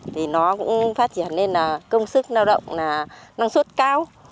thì nó cũng phát triển lên là công sức lao động là năng suất cao